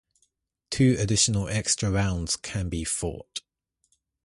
Two additional extra rounds can be fought.